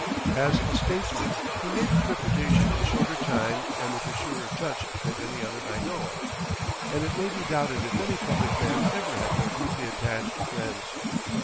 As a statesman he made his reputation in shorter time and with a surer touch than any one I know of. And it may be doubted if any public man ever had more deeply attached friends.